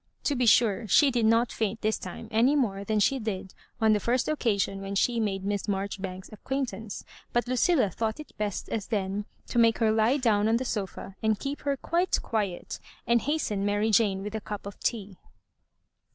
To be sure, she did not faint this time any more than she did on the first occasion when she made Miss Marjoribanks^s acquaintance ; but Lucilla thought it best, as then, to make her lie down on the sofa, and keep her quite quiet, and hasten Mary Jane with the cup of tea.